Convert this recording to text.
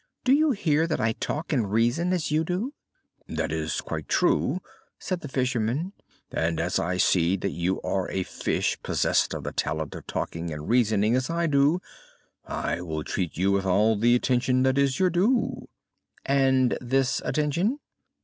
Do you hear that I talk and reason as you do?" "That is quite true," said the fisherman; "and as I see that you are a fish possessed of the talent of talking and reasoning as I do, I will treat you with all the attention that is your due." "And this attention?"